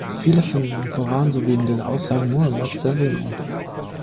Viele finden im Koran, sowie in den Aussagen Mohammeds Erwähnung.